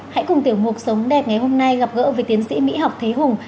hãy cùng tiểu mục sống đẹp ngày hôm nay gặp gỡ với tiến sĩ mỹ học thế hùng